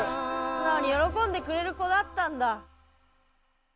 「素直に喜んでくれる子だったんだ」